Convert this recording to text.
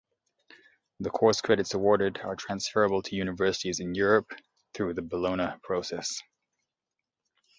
The course credits awarded are transferable to universities in Europe through the Bologna process.